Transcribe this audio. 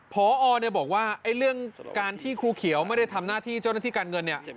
พอบอกว่าเรื่องการที่ครูเขียวไม่ได้ทำหน้าที่เจ้าหน้าที่การเงินเนี่ย